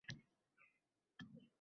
Undan shunaqa soxta tuyuladimi?